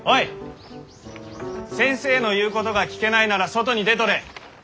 先生の言うことが聞けないなら外に出とれ！